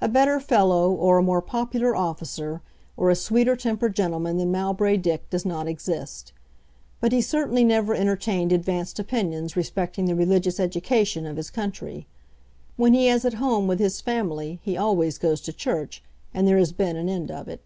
A better fellow, or a more popular officer, or a sweeter tempered gentleman than Mowbray Dick does not exist; but he certainly never entertained advanced opinions respecting the religious education of his country. When he is at home with his family, he always goes to church, and there has been an end of it.